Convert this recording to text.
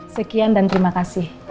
sekian dan terima kasih